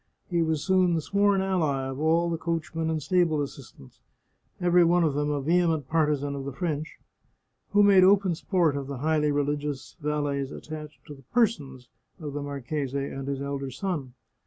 He was soon the sworn ally of all the coachmen and stable assistants — every one of them a vehement partisan of the French — who made open sport of the highly religious valets attached to the persons of the marchese and his elder son.